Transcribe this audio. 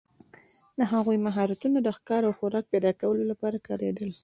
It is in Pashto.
د هغوی مهارتونه د ښکار او خوراک پیداکولو لپاره کارېدل.